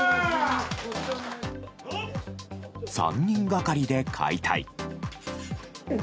３人がかりで解体。